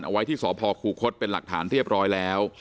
ไว้ที่สพคูคศเป็นหลักฐานเรียบร้อยแล้ว